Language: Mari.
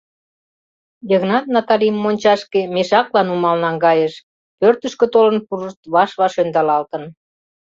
Йыгнат Наталим мончашке мешакла нумал наҥгайыш — пӧртышкӧ толын пурышт ваш-ваш ӧндалалтын.